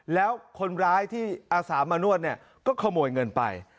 แล้วคนร้ายที่อาสามานวดเนี่ยก็ขโมยเงินไป